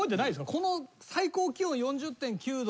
この最高気温４０．９℃。